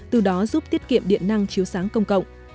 từ đó giúp tiết kiệm điện năng chiếu sáng công cộng